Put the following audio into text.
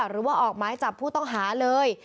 หรือว่าออกหมายจับผู้ต้องหาเลย